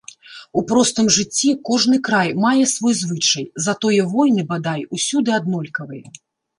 У простым жыцці кожны край мае свой звычай, затое войны, бадай, усюды аднолькавыя.